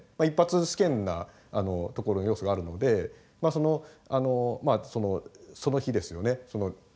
一発試験なところ要素があるのでその日ですよね